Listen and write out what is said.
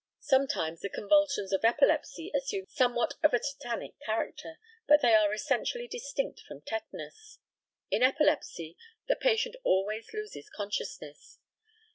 Sometimes the convulsions of epilepsy assume somewhat of a tetanic character, but they are essentially distinct from tetanus. In epilepsy the patient always loses consciousness.